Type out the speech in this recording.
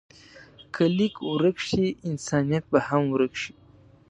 که لیک ورک شي، انسانیت به هم ورک شي.